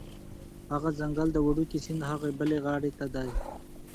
هغه ځنګل د وړوکي سیند هغې بلې غاړې ته دی